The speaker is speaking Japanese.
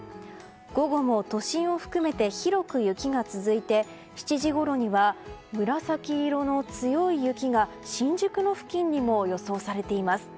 午後も都心を含めて広く雪が続いて７時ごろには紫色の強い雪が新宿の付近にも予想されています。